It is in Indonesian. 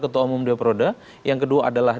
ketua umum dewa peroda yang kedua adalah